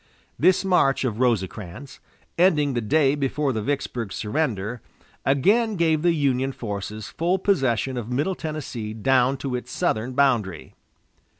This march of Rosecrans, ending the day before the Vicksburg surrender, again gave the Union forces full possession of middle Tennessee down to its southern boundary.